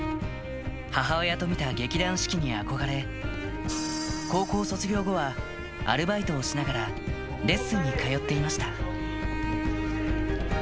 母親と見た劇団四季に憧れ、高校卒業後はアルバイトをしながらレッスンに通っていました。